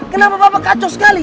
kenapa bapak kacau sekali